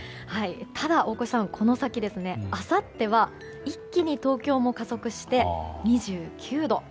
ただ、大越さんこの先あさっては一気に東京も加速して２９度。